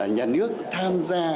nhà nước tham gia